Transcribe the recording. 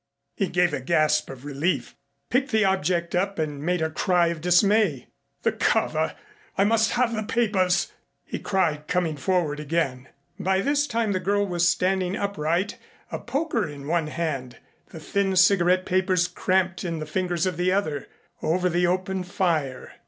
He gave a gasp of relief, picked the object up and made a cry of dismay. "The cover! I must have the papers," he cried, coming forward again. By this time the girl was standing upright, a poker in one hand, the thin cigarette papers cramped in the fingers of the other, over the open fire.